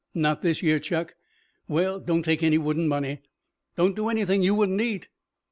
"Not this year, Chuck." "Well don't take any wooden money." "Don't do anything you wouldn't eat."